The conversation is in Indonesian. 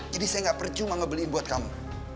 jadi saya gak percuma ngebeli buat kamu